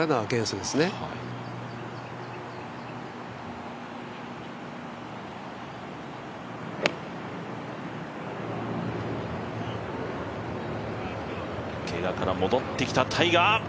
けがから戻ってきたタイガー。